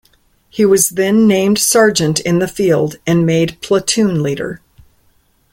He was then named sergeant in the field and made platoon leader.